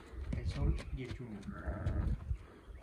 El Sol y el Jr.